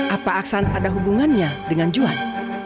apa aksan ada hubungannya dengan juan